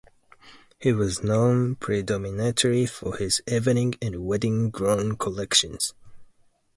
He was known predominantly for his evening and wedding gown collections.